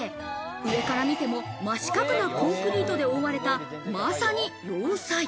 上から見ても真四角なコンクリートで覆われた、まさに要塞。